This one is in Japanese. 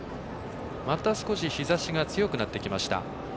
また少し日差しが強くなってきました。